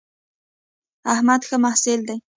احمد ښه محصل دی